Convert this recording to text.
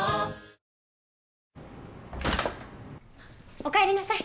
おかえりなさい。